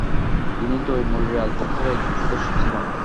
তিনি তৈমুরী রাজবংশের একজন সদস্য ছিলেন।